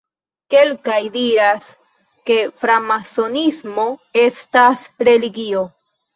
Kelkaj diras, ke framasonismo estas religio.